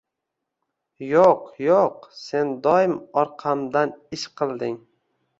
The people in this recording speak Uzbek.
Yo‘q yo‘q, sen doim orqamdan ish qilding